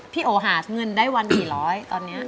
โอหาเงินได้วันกี่ร้อยตอนนี้